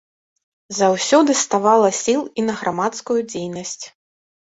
Заўсёды ставала сіл і на грамадскую дзейнасць.